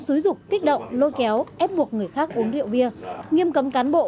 xúi rục kích động lôi kéo ép buộc người khác uống rượu bia nghiêm cấm cán bộ